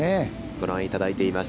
ご覧いただいています。